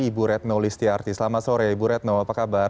ibu retno listiarti selamat sore ibu retno apa kabar